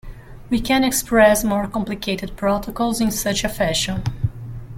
We can express more complicated protocols in such a fashion.